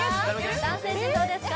男性陣どうですか？